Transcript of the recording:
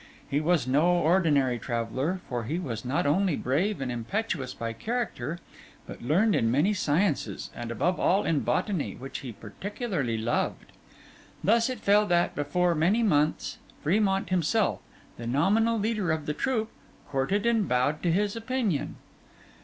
He was no ordinary traveller; for he was not only brave and impetuous by character, but learned in many sciences, and above all in botany, which he particularly loved. Thus it fell that, before many months, Fremont himself, the nominal leader of the troop, courted and bowed to his opinion.